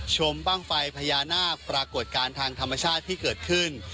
ชมบ้างไฟพญานาคปรากฏการณ์ทางธรรมชาติที่เกิดขึ้น